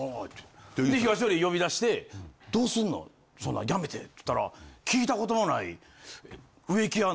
ひがしのり呼び出して「どうすんのそんな辞めて」っつったら聞いたことのない。